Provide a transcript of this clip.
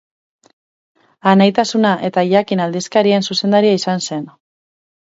Anaitasuna eta Jakin aldizkarien zuzendaria izan zen.